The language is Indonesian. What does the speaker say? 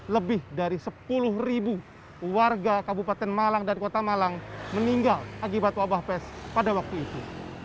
lebih dari sepuluh ribu warga kabupaten malang dan kota malang meninggal akibat wabah pes pada waktu itu